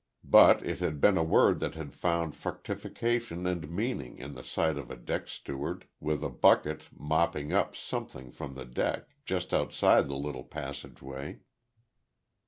But it had been a word that had found fructification and meaning in the sight of a deck steward, with a bucket, mopping up something from the deck, just outside the little passageway.